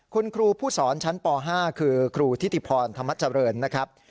คุณครูผู้สอนชั้นป๕คือครูทิติพรธรรมเจริญนะครับ